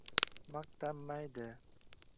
maqtanmaydi.